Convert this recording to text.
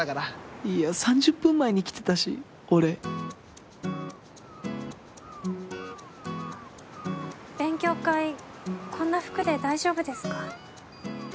いや３０分前に来てたし俺勉強会こんな服で大丈夫ですか？